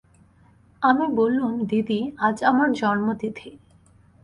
আমি বললুম, দিদি, আজ আমার জন্মতিথি।